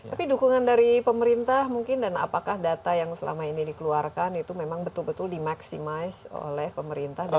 tapi dukungan dari pemerintah mungkin dan apakah data yang selama ini dikeluarkan itu memang betul betul dimaksimaisi oleh pemerintah